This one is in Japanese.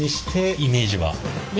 イメージは。